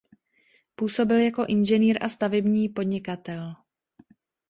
Působil jako inženýr a stavební podnikatel.